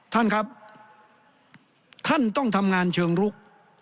ท่านครับท่านต้องทำงานเชิงลุก